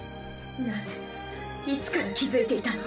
なぜいつから気付いていたの？